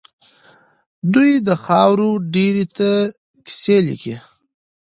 دوی د خاورو ډېري ته کيسې ليکي.